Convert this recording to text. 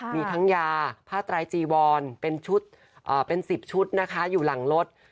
มีทั้งยาผ้าไตรจีวอนเป็นชุดเป็น๑๐ชุดนะคะอยู่หลังรถ